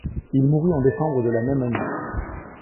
Il mourut en décembre de la même année.